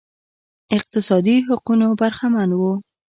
اقتصادي حقونو برخمن وو